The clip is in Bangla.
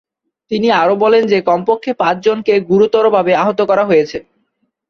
তিনি আরো বলেন যে কমপক্ষে পাঁচ জনকে গুরুতরভাবে আহত করা হয়েছে।